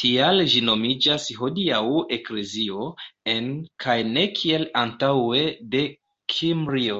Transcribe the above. Tial ĝi nomiĝas hodiaŭ eklezio "en" kaj ne kiel antaŭe "de" Kimrio.